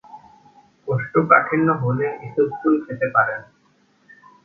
কোষ্ঠকাঠিন্য হলে ইসবগুল খেতে পারেন।